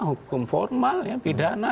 hukum formal pidana